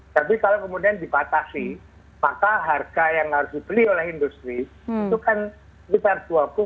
tapi kalau kemudian dipatasi maka harga yang harus dibeli oleh industri itu kan sekitar